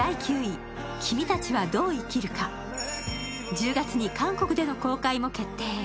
１０月に韓国での公開も決定。